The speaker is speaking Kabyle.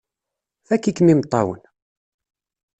Fakk-ikem imeṭṭawen!